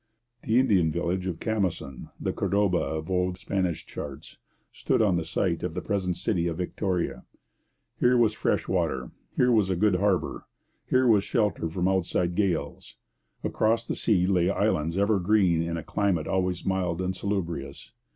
The Indian village of Camosun, the Cordoba of the old Spanish charts, stood on the site of the present city of Victoria. Here was fresh water; here was a good harbour; here was shelter from outside gales. Across the sea lay islands ever green in a climate always mild and salubrious.